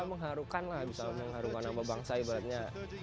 mengharukan lah bisa mengharukan apa bangsa ibaratnya